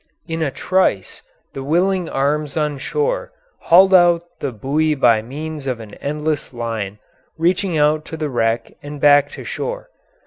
In a trice the willing arms on shore hauled out the buoy by means of an endless line reaching out to the wreck and back to shore.